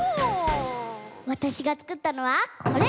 わたしがつくったのはこれ！